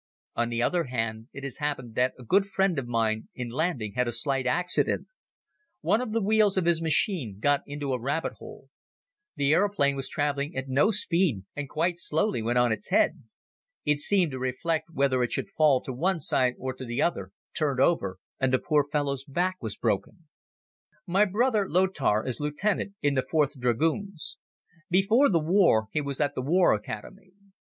On the other hand, it has happened that a good friend of mine in landing had a slight accident. One of the wheels of his machine got into a rabbit hole. The aeroplane was traveling at no speed and quite slowly went on its head. It seemed to reflect whether it should fall to the one side or to the other, turned over and the poor fellow's back was broken. My brother Lothar is Lieutenant in the 4th Dragoons. Before the war he was at the War Academy.